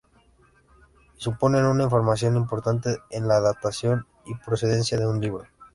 Suponen una información importante en la datación y procedencia de un libro.